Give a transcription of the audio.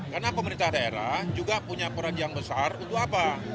karena pemerintah daerah juga punya peran yang besar untuk apa